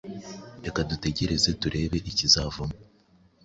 reka dutegereze turebe ikizavamo